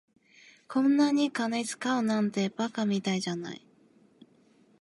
こんなんに金使うなんて馬鹿みたいじゃない。